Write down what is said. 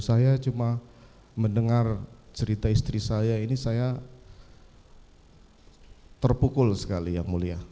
saya cuma mendengar cerita istri saya ini saya terpukul sekali yang mulia